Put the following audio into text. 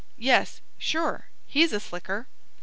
"Yes—sure. He's a slicker."